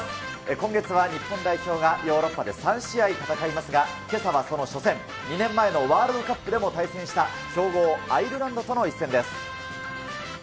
今月は日本代表がヨーロッパで３試合戦いますが、けさはその初戦、２年前のワールドカップでも対戦した強豪アイルランドとの一戦です。